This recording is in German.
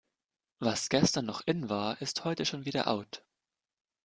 Was gestern noch in war, ist heute schon wieder out.